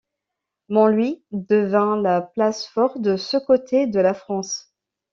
Montlouis devint la place forte de ce côté de la France.